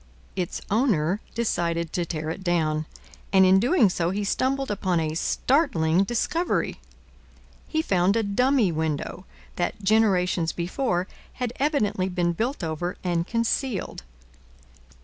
Its owner decided to tear it down, and in doing so he stumbled upon a startling discovery. He found a dummy window that, generations before, had evidently been built over and concealed.